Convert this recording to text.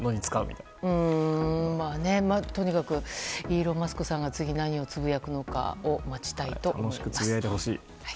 イーロン・マスクさんが次、何をつぶやくのか待ちたいと思います。